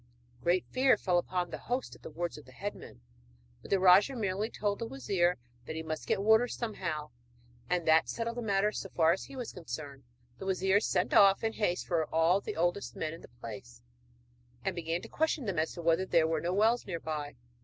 Great fear fell upon the host at the words of the headmen, but the rajah merely told the wazir that he must get water somehow, and that settled the matter so far as he was concerned. The wazir sent off in haste for all the oldest men in the place, and began to question them as to whether there were no wells near by.